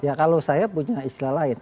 ya kalau saya punya istilah lain